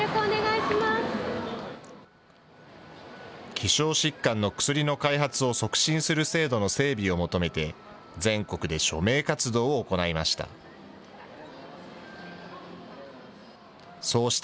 希少疾患の薬の開発を促進する制度の整備を求めて、全国で署名活動を行いました。